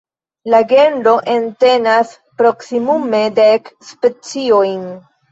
La genro entenas proksimume dek speciojn.